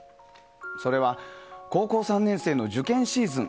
それは高校３年生の受験シーズン。